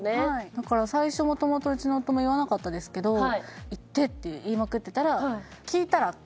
だから最初元々うちの夫も言わなかったですけど「言って」って言いまくってたらへえ！